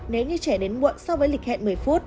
nếu như trẻ đến muộn so với lịch hẹn mới